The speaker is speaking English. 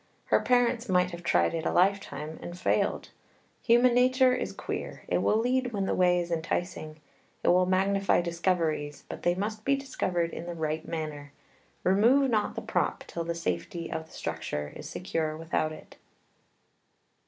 Her parents might have tried it a lifetime and failed. Human nature is queer. It will lead when the way is enticing. It will magnify discoveries, but they must be discovered in the right manner. Remove not the prop till the safety of the structure is secure without it.